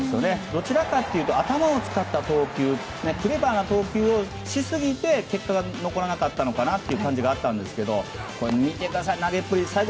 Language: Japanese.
どちらかというと頭を使った投球クレバーな投球をしすぎて結果が残らなかった感じがあったんですが投げっぷり、見てください。